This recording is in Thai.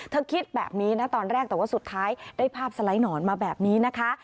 คิดแบบนี้นะตอนแรกแต่ว่าสุดท้ายได้ภาพสไลด์หนอนมาแบบนี้นะคะ